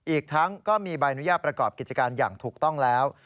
อีกทั้งก็มีใบอนุญาตประกอบกิจการอย่างถูกต้องแล้ว